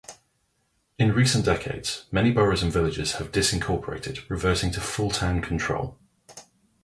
In recent decades, many boroughs and villages have disincorporated, reverting to full town control.